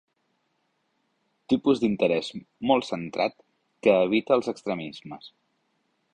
Tipus d'interès molt centrat, que evita els extremismes.